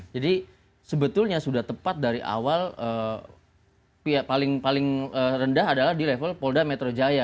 sebetulnya sudah tepat dari awal paling rendah adalah di level polda metro jaya